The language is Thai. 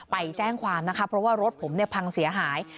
ไปแจ้งความนะคะเพราะว่ารถผมเนี่ยพังเสียหาย